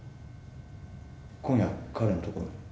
今夜彼のところに？